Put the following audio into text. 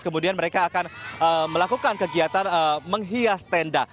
kemudian mereka akan melakukan kegiatan menghias tenda